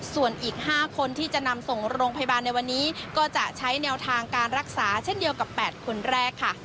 ส่วนอีก๕คนที่จะนำส่งโรงพยาบาลในวันนี้ก็จะใช้แนวทางการรักษาเช่นเดียวกับ๘คนแรกค่ะ